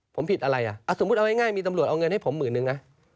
ผมผิดอะไรอ่ะสมมุติเอาง่ายมีตำรวจเอาเงินให้ผมหมื่นนึงนะ